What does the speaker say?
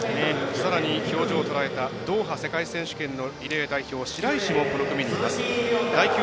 さらに表情を捉えたドーハ世界選手権のリレー代表白石もこの組にいます。